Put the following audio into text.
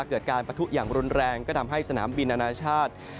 เกิดการประทุอย่างรุนแรงก็ทำให้สนามบินอนาชาติ